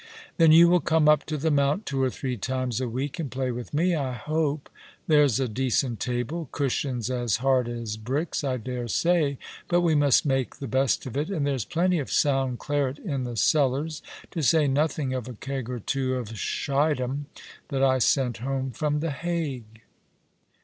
" Then you will come up to the Mount two or three times a week and play with me, I hope. There's a decent table cushions as hard as bricks, I dare say, but we must make the best of it— and there's plenty of sound claret in the cellars to say nothing of a keg or two of Schiedam that I sent home from the Hague."